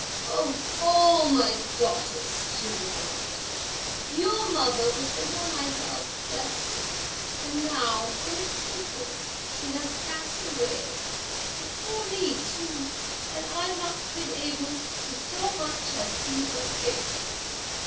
"Of all my daughters," she remarked, "your mother was the one I loved best, and now in a twinkle, she has passed away, before me too, and I've not been able to so much as see her face.